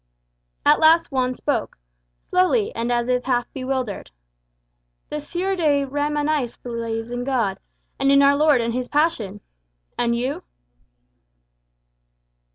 At last Juan spoke, slowly and as if half bewildered. "The Sieur de Ramenais believes in God, and in our Lord and his passion. And you?"